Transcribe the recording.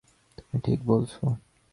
তুমি ঠিক বলছো।